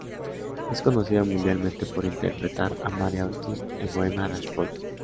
Es conocida mundialmente por interpretar a Mary Austin en "Bohemian Rhapsody".